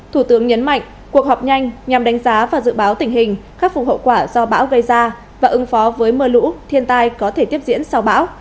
thủ tướng nhấn mạnh cuộc họp nhanh nhằm đánh giá và dự báo tình hình khắc phục hậu quả do bão gây ra và ứng phó với mưa lũ thiên tai có thể tiếp diễn sau bão